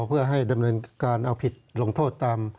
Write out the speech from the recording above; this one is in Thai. เพื่อให้ดำเนินการเอาผิดลงโทษตาม